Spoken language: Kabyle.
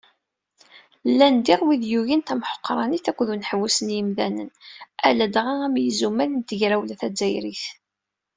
Llan, diɣ, wid i yugin tamuḥeqqranit akked uneḥbus n yimdanen, ladɣa, am yizumal n tegrawla tazzayrit.